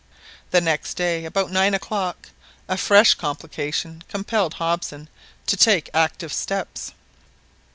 The next day, about nine o'clock, a fresh complication compelled Hobson to take active steps.